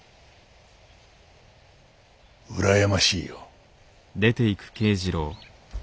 うらやましいよ。